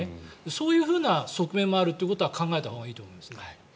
そういう側面もあるということは考えたほうがいいと思いますね。